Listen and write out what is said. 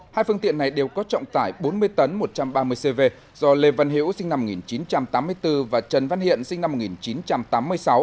hai phương tiện này đều có trọng tải bốn mươi tấn một trăm ba mươi cv do lê văn hiễu sinh năm một nghìn chín trăm tám mươi bốn và trần văn hiện sinh năm một nghìn chín trăm tám mươi sáu